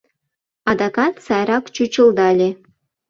Адакат сайрак чучылдале